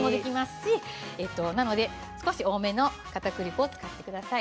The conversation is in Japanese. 少し多めのかたくり粉を使ってください。